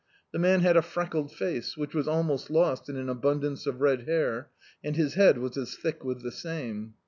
The man had a frec kled face, which was almost lost in an abundance of red hair, and his head was as thick with the same.